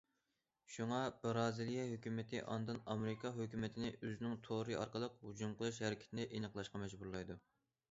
شۇڭا، بىرازىلىيە ھۆكۈمىتى ئاندىن ئامېرىكا ھۆكۈمىتىنى ئۆزىنىڭ تورى ئارقىلىق ھۇجۇم قىلىش ھەرىكىتىنى ئېنىقلاشقا مەجبۇرلايدۇ.